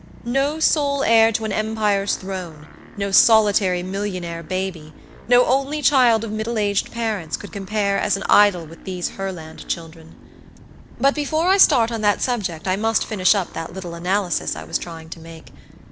No sole heir to an empire's throne, no solitary millionaire baby, no only child of middle aged parents, could compare as an idol with these Herland children. But before I start on that subject I must finish up that little analysis I was trying to make.